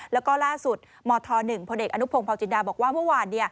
แล้วก็ล่าสุดมธ๑พลเอกอนุพงศาวจินดาบอกว่าเมื่อวาน